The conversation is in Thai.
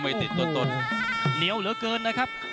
นักมวยจอมคำหวังเว่เลยนะครับ